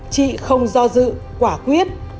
chị không do dự quả quyết